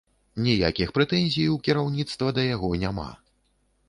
Ніякіх прэтэнзій у кіраўніцтва да яго няма.